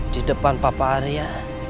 di depan papa arya